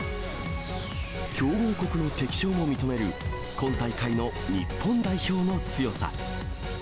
強豪国の敵将も認める、今大会の日本代表の強さ。